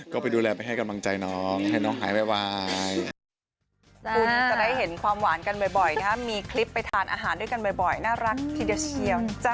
ก็ไปดูแลไปให้กำลังใจน้องให้น้องหายไว